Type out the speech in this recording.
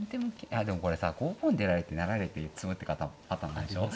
あでもこれさ５五に出られて成られて詰むってあったんでしょ。